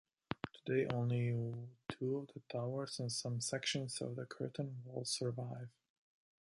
Today only two of the towers and some sections of the curtain wall survive.